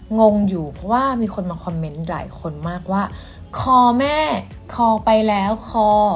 งงอยู่เพราะว่ามีคนมาคอมเมนต์หลายคนมากว่าคอแม่คอไปแล้วคอ